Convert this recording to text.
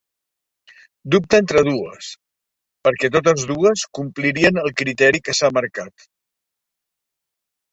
Dubta entre dues perquè totes dues complirien el criteri que s'ha marcat.